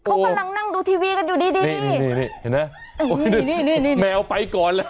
โอ้โหดูซิ